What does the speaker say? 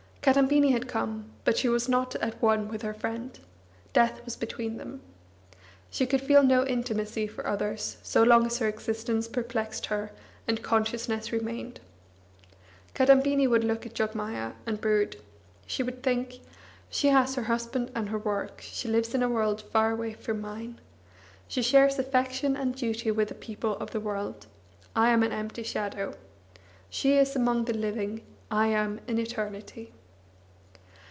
Kadambini had come, but she was not at one with her friend: death was between them. She could feel no intimacy for others so long as her existence perplexed her and consciousness remained. Kadambini would look at Jogmaya, and brood. She would think: "She has her husband and her work, she lives in a world far away from mine. She shares affection and duty with the people of the world; I am an empty shadow. She is among the living; I am in eternity."